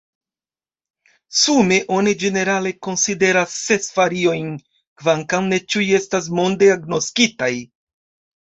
Sume oni ĝenerale konsideras ses variojn, kvankam ne ĉiuj estas monde agnoskitaj.